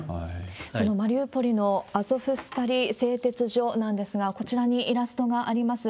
そのマリウポリのアゾフスタリ製鉄所なんですが、こちらにイラストがあります。